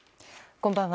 こんばんは。